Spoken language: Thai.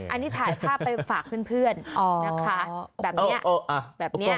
อันนี้ถ่ายภาพมาไปฝากเพื่อนนะคะแบบไหน